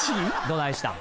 どないした？